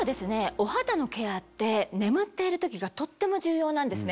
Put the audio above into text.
お肌のケアって眠っている時がとっても重要なんですね。